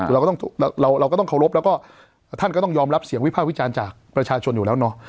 คือเราก็ต้องเราก็ต้องเคารพแล้วก็ท่านก็ต้องยอมรับเสียงวิภาควิจารณ์จากประชาชนอยู่แล้วเนาะ